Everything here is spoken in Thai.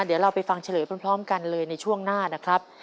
เดี๋ยวเราไปฟังเฉลยพร้อมกันเลยในช่วงหน้านะครับ